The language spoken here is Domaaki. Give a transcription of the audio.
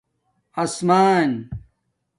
اسمان